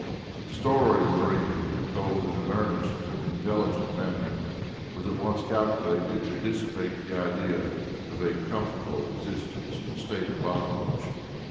But the story of Maria, told in an earnest and intelligent manner, was at once calculated to dissipate the idea of a "comfortable" existence in a state of bondage.